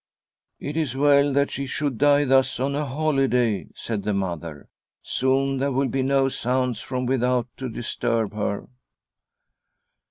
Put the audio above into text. ," It is well that she should die thus, on a holiday, '' said the mother. '* Soon there will be no sounds from without to disturb her."